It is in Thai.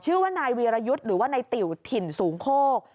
ชื่อว่านายวีรยุทธ์หรือว่านายติ๋วถิ่นสูงโคก